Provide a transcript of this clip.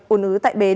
u nứ tại bến